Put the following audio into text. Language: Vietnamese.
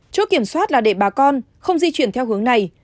chốt kiểm soát là để bà con không di chuyển theo hướng này